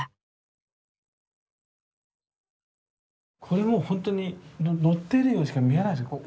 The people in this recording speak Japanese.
これもうほんとにのってるようにしか見えないですね。